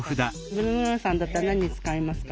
ブルボンヌさんだったら何に使いますか？